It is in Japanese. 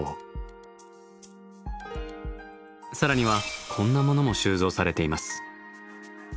更にはこんなものも収蔵されています。